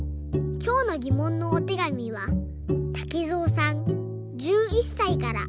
きょうのぎもんのおてがみはたけぞうさん１１さいから。